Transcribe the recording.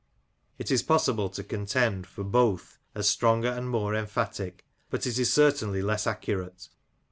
It IS possible to contend for both as stronger and more emphatic ; but it is certainly less accurate.